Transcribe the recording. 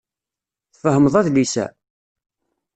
Tfehmeḍ adlis-a?